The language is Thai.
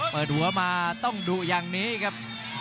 เปิดหัวมาต้องดุอย่างนี้ครับ